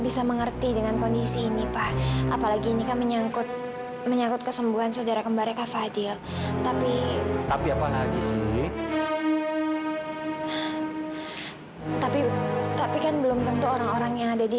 sampai jumpa di video selanjutnya